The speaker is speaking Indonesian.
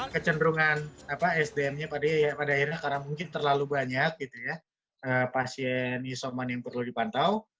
kecenderungan sdm nya pada akhirnya karena mungkin terlalu banyak pasien isoman yang perlu dipantau